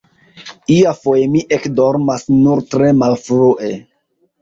Iafoje mi ekdormas nur tre malfrue.